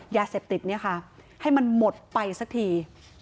ยาเสพติดเนี่ยค่ะให้มันหมดไปสักที